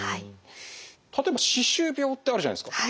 例えば歯周病ってあるじゃないですか。